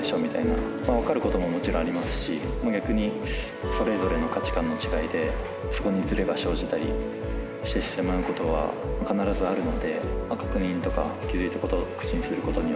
まあ分かることももちろんありますし逆にそれぞれの価値観の違いでそこにずれが生じたりしてしまうことは必ずあるので。